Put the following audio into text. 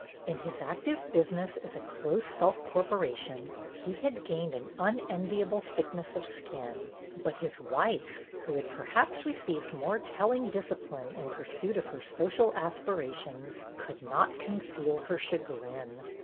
In his active business as a close self corporation he had gained an unenviable thickness of skin, but his wife, who had per haps received more telling discipline in pursuit of her social aspirations, could not conceal her chagrin.